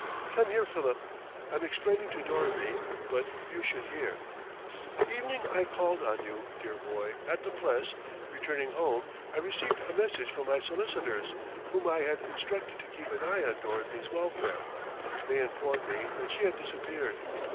"Come here, Philip; I'm explaining to Dorothy, but you should hear.... The evening I called on you, dear boy, at the Pless, returning home I received a message from my solicitors, whom I had instructed to keep an eye on Dorothy's welfare. They informed me that she had disappeared.